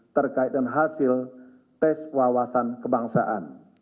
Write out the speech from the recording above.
terkait dengan hasil tes wawasan kebangsaan